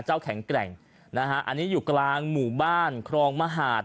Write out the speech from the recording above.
เจ้าแข็งแกร่งอันนี้อยู่กลางหมู่บ้านครองมหาส